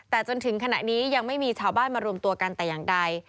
แต่จนถึงขณะนี้ยังไม่มีชาวบ้านมารวมตัวกันแต่อย่างใด